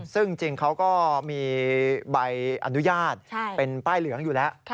ซึ่งจริงเขาก็มีใบอนุญาตเป็นป้ายเหลืองอยู่แล้ว